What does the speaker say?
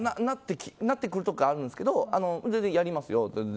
なってくる時あるんですけど全然やりますよ。